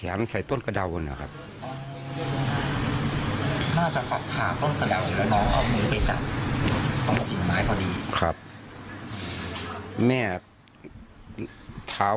อย่างนั้นถ้า